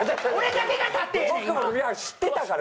僕も知ってたから。